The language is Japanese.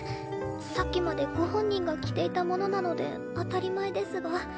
さっきまでご本人が着ていたものなので当たり前ですが